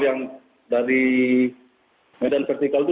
yang dari medan vertikal itu delapan puluh